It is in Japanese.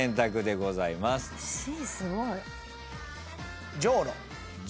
Ｃすごい。